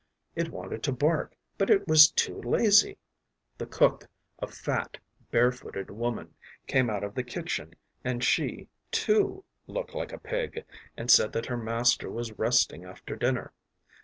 It wanted to bark, but it was too lazy. The cook, a fat, barefooted woman, came out of the kitchen, and she, too, looked like a pig, and said that her master was resting after dinner.